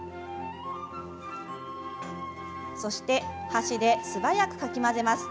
そして、箸で素早くかき混ぜます。